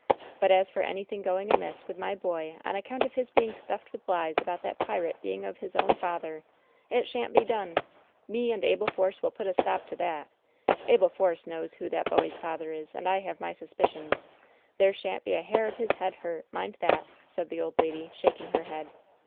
But as for anything going amiss with my boy on account of his being stuffed with lies about that pirate being of his own father, it shan't be done ! Me and Abel Force will put a stop to that 1 Abel Force knows who that boy's father is ; and I have my suspicions. There shan't be a hair of his head hurt ! Mind that !" said the old lady, shak ing her head.